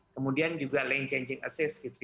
kemudian juga lane changing assist